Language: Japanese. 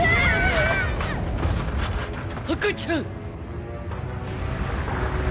赤ちゃん！